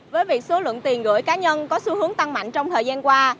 với việc số lượng tiền gửi cá nhân có xu hướng tăng mạnh trong thời gian qua